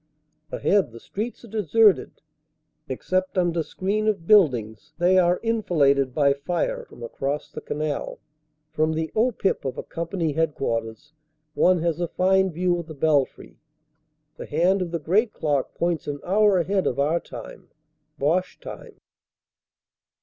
Ahead the streets are deserted. Except under screen of buildings they are enfiladed by fire from across the canal. From the "O Pip" of a Company Headquarters one has a fine view of the belfry. The hand of the great clock points an hour ahead of our time Boche time.